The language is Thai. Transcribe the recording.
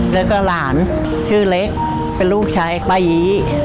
แล้วก็หลานชื่อเละเป็นลูกชายป้ายี